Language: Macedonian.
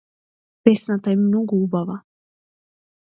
Песната е многу убава.